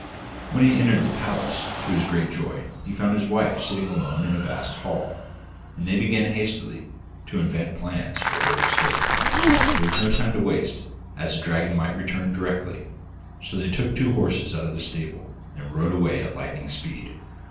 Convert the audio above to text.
When he entered the palace, to his great joy he found his wife sitting alone in a vast hall, and they began hastily to invent plans for her escape. There was no time to waste, as the dragon might return directly, so they took two horses out of the stable, and rode away at lightning speed.